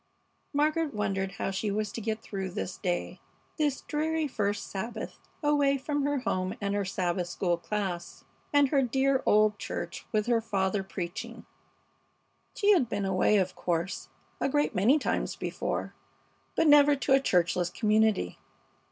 Margaret wondered how she was to get through this day, this dreary first Sabbath away from her home and her Sabbath school class, and her dear old church with father preaching. She had been away, of course, a great many times before, but never to a churchless community.